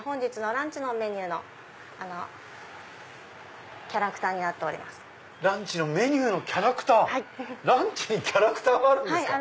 ランチのメニューのキャラクター⁉ランチにキャラクターがあるんですか？